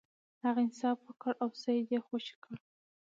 هغه انصاف وکړ او سید یې خوشې کړ.